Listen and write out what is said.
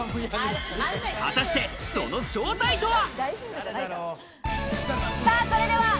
果たして、その正体とは？